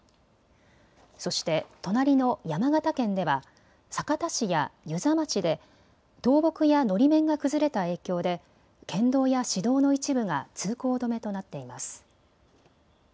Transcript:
そして隣の山形県では酒田市や遊佐町で倒木や、のり面が崩れた影響で県道や市道の一部が通行止めとなっています。